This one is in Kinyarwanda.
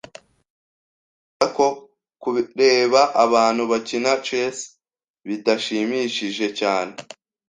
Ntekereza ko kureba abantu bakina chess bidashimishije cyane.